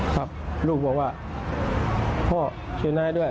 ครับลูกบอกว่าพ่อชื่อนายด้วย